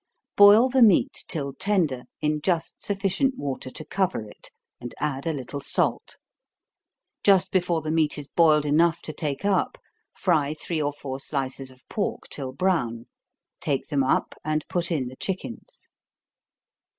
Boil the meat till tender, in just sufficient water to cover it, and add a little salt. Just before the meat is boiled enough to take up, fry three or four slices of pork till brown take them up, and put in the chickens.